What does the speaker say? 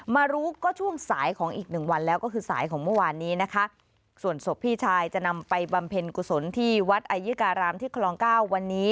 มารู้ก็ช่วงสายของอีกหนึ่งวันแล้วก็คือสายของเมื่อวานนี้นะคะ